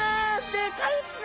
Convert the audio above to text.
でかいですね！